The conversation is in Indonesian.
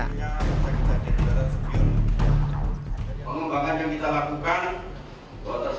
pembangunan yang kita lakukan buat tersangka bagi bagi uang dan masuk juga dibuat belanja